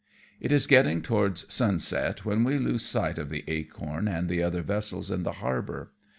It is getting towards sunset when we lose sight of the Acorn and the other vessels in the harbour.